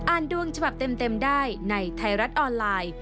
อ่านดวงฉบับเต็มได้ในไทรัศน์ออนไลน์